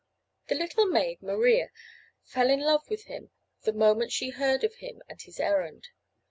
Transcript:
The little maid, Maria, fell in love with him the moment she heard of him and his errand.